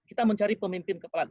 kita mencari pemimpin kepala